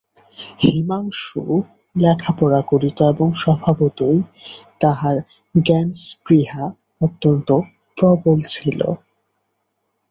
হিমাংশু লেখাপড়া করিত এবং স্বভাবতই তাহার জ্ঞানস্পৃহা অত্যন্ত প্রবল ছিল।